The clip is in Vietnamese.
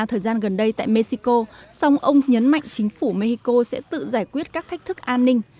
tại mexico song ông nhấn mạnh chính phủ mexico sẽ tự giải quyết các thách thức an ninh